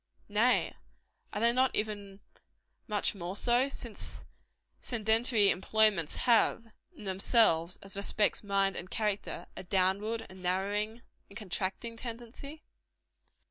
Nay, are they not even much more so since sedentary employments have, in themselves, as respects mind and character, a downward, and narrowing, and contracting tendency?